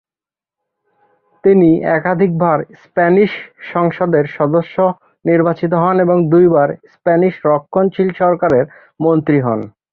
তিনি একাধিকবার স্প্যানিশ সংসদের সদস্য নির্বাচিত হন এবং দুইবার স্প্যানিশ রক্ষণশীল সরকারের মন্ত্রী হন।